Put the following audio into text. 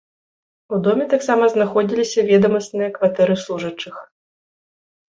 У доме таксама знаходзіліся ведамасныя кватэры служачых.